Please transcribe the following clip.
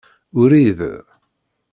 Urid